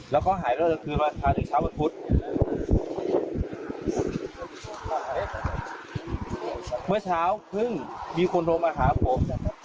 แล้วก็หายแล้วเมื่อเมื่อเช้าเพิ่งมีคนโทรมาหาผม